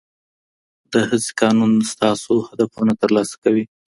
د هڅې قانون ستاسو هدفونه ترلاسه کوي.